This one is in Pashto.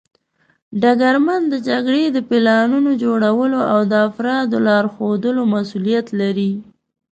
ډګرمن د جګړې د پلانونو جوړولو او د افرادو لارښودلو مسوولیت لري.